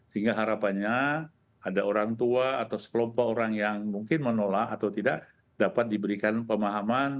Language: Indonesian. sehingga harapannya ada orang tua atau sekelompok orang yang mungkin menolak atau tidak dapat diberikan pemahaman